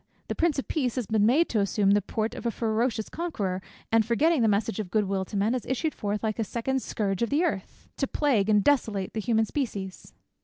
The Prince of Peace has been made to assume the port of a ferocious conqueror, and forgetting the message of good will to men, has issued forth like a second Scourge of the Earth, to plague and desolate the human species."